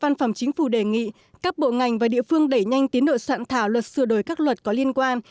văn phòng chính phủ đề nghị các bộ ngành và địa phương đẩy nhanh tiến độ soạn thảo luật sửa đổi các luật có liên quan